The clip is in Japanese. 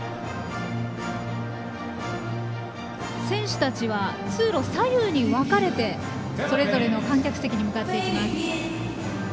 選手たちは通路左右に分かれてそれぞれの観客席に向かっていきます。